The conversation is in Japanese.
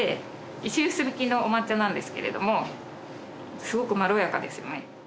石臼挽きのお抹茶なんですけれどもすごくまろやかですよね。